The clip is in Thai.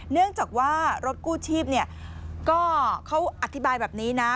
เนื่องจากว่ารถกู้ชีพก็เขาอธิบายแบบนี้นะ